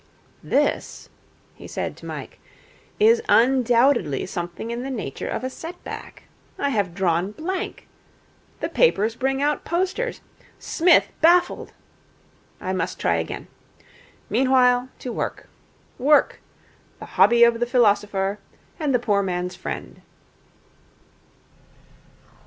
'This,' he said to Mike, 'is undoubtedly something in the nature of a set back. I have drawn blank. The papers bring out posters, "Psmith Baffled." I must try again. Meanwhile, to work. Work, the hobby of the philosopher and the poor man's friend.'